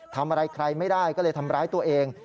ทำอะไรใครไม่ได้ก็เลยทำร้ายตัวเอง